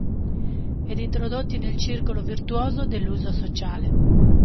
Ed introdotti nel circolo virtuoso dell'uso sociale.